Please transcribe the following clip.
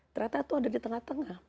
ternyata itu ada di tengah tengah